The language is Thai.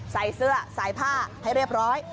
ใส่เสื้อใส่ผ้าให้เรียบร้อย